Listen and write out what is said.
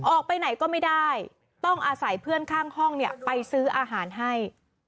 ออกไปไหนก็ไม่ได้ต้องอาศัยเพื่อนข้างห้องเนี่ยไปซื้ออาหารให้